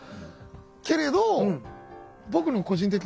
けれど僕の個人的な。